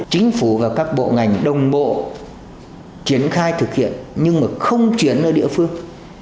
chính phủ và các bộ ngành đồng bộ triển khai thực hiện nhưng mà không chuyển nơi địa phương